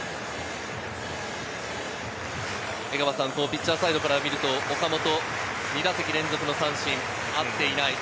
ピッチャーサイドから見ると、岡本は２打席連続三振、合っていない。